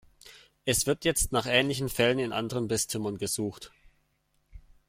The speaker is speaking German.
Es wird jetzt nach ähnlichen Fällen in anderen Bistümern gesucht.